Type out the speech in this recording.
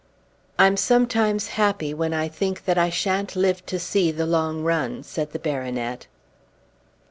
"I'm sometimes happy when I think that I shan't live to see the long run," said the baronet.